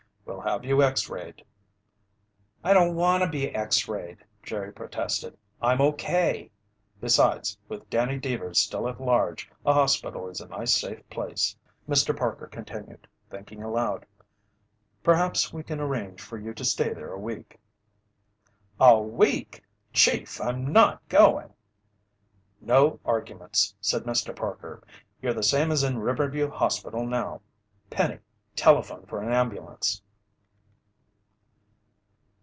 "We'll have you X rayed." "I don't want to be X rayed," Jerry protested. "I'm okay." "Besides, with Danny Deevers still at large, a hospital is a nice safe place," Mr. Parker continued, thinking aloud. "Perhaps we can arrange for you to stay there a week." "A week! Chief, I'm not going!" "No arguments," said Mr. Parker. "You're the same as in Riverview Hospital now. Penny, telephone for an ambulance."